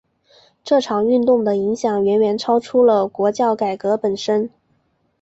这场运动的影响远远超出了国教改革本身。